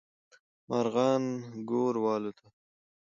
مارغان ګور والوتل.